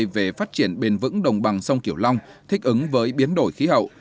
về phát triển bền vững đồng bằng sông kiểu long thích ứng với biến đổi khí hậu